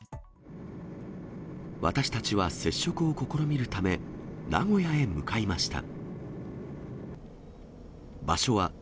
私たちは接触を試みるため、名古屋へ向かいました。